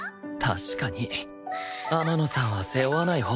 確かに天野さんは背負わないほうがいいな